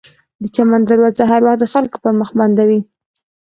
د چمن دروازه هر وخت د خلکو پر مخ بنده وي.